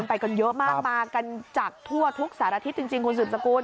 ไปกันเยอะมากมากันจากทั่วทุกสารทิศจริงคุณสืบสกุล